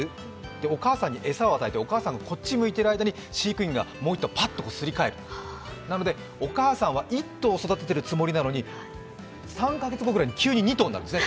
お母さんに餌を与えてお母さんがこっちに向いている間に飼育員がパッとすり替えるので、お母さんは１頭育てているつもりなのに３カ月後ぐらいに急に２頭になるんですね